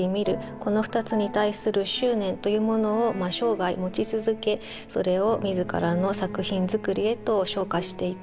この２つに対する執念というものを生涯持ち続けそれを自らの作品作りへと昇華していった。